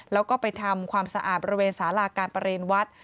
แล้วก็ไปทำความสะอาดบริเวณสาราการประเรียนวัด